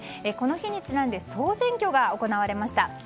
この日にちなんで総選挙が行われました。